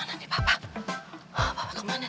aduh apa apa ya